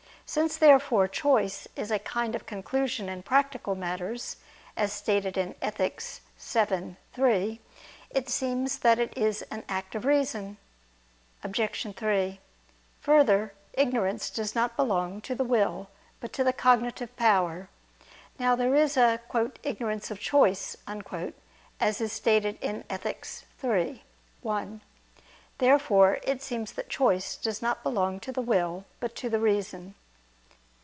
Since therefore choice is a kind of conclusion in practical matters, as stated in Ethic. vii, 3, it seems that it is an act of reason. Obj. 3: Further, ignorance does not belong to the will but to the cognitive power. Now there is an "ignorance of choice," as is stated in Ethic. iii, 1. Therefore it seems that choice does not belong to the will but to the reason.